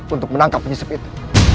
untuk menangkap penyusup itu